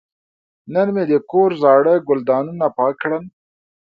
نن مې د کور زاړه ګلدانونه پاک کړل.